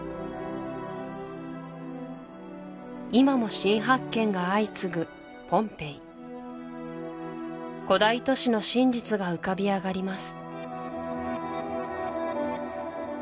今も新発見が相次ぐポンペイ古代都市の真実が浮かび上がります